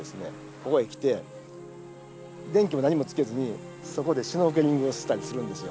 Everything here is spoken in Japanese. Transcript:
ここへ来て電気も何もつけずにそこでシュノーケリングをしたりするんですよ。